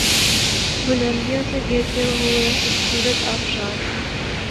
بلندیوں سے گرتے ہوئے خوبصورت آبشار